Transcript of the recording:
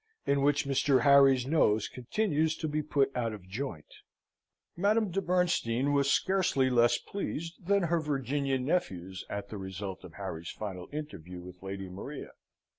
In which Mr. Harry's Nose continues to be put out of joint Madame de Bernstein was scarcely less pleased than her Virginian nephews at the result of Harry's final interview with Lady Maria.